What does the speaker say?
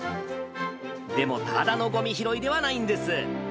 でも、ただのごみ拾いではないんです。